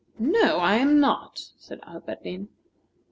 "No, I am not," said Alberdin.